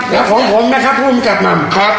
แล้วของผมนะครับภูมิกับหม่ำ